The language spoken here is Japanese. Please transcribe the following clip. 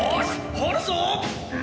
掘るぞ！